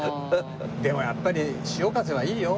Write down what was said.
でもやっぱり潮風はいいよ。